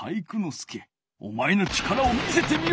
介おまえの力を見せてみよ！